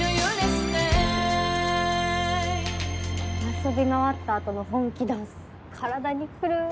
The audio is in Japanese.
遊び回った後の本気ダンス体にくる！